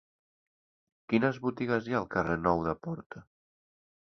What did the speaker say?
Quines botigues hi ha al carrer Nou de Porta?